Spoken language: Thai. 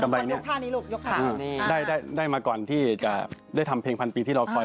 อันนี้ได้มาก่อนที่ได้ทำเพลงพันปีที่รอคอย